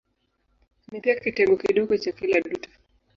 Ni pia kitengo kidogo cha kila dutu.